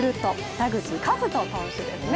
・田口麗斗投手ですね。